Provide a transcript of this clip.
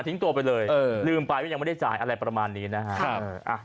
ทิ้งตัวไปเลยลืมไปไม่ได้จ่ายอะไรประมาณนี้นะครับ